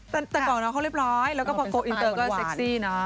แต่ก่อนเขาเรียบร้อยแล้วก็ก็เซ็กซี่นะ